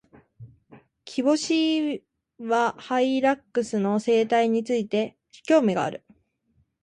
キボシイワハイラックスの生態について、興味がある。